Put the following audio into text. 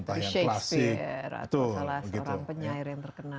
tari shakespeare atau salah seorang penyair yang terkenal